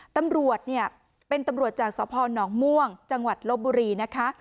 ตำรวจเนี่ยเป็นตำรวจจากสพนม่วงจังหวัดลบบุรีนะคะ